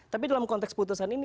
tapi dalam konteks putusan ini